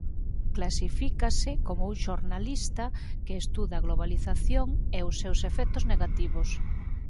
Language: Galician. Clasifícase como un xornalista que estuda a globalización e os seus efectos negativos.